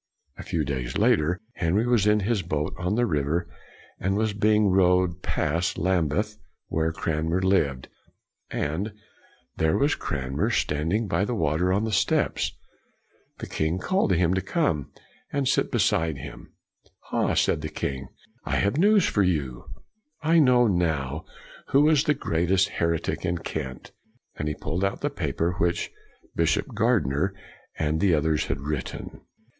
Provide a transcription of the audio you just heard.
A few days later, Henry was in his boat on the river, and was being rowed past Lambeth, where Cran mer lived, and there was Cranmer stand ing by the water on the steps. The king called him to come and sit beside him. " Ha," said the king, " I have news for you: I know now who is the greatest heretic in Kent! " And he pulled out the paper which Bishop Gardiner and the others had written.